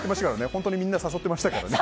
本当にみんな誘ってましたからね。